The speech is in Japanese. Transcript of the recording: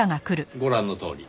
ご覧のとおり。